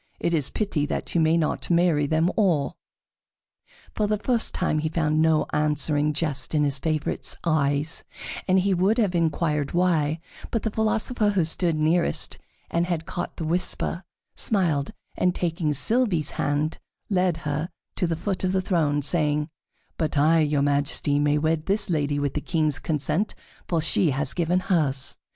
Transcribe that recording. It is pity that you may not marry them all." For the first time he found no answering jest in his favorite's eyes, and would have inquired why, but the philosopher who stood nearest, and had caught the whisper, smiled, and taking Sylvie's hand, led her to the foot of the throne, saying: "But I, your Majesty, may wed this lady with the King's consent, for she has given hers."